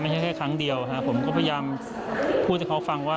แค่ครั้งเดียวผมก็พยายามพูดให้เขาฟังว่า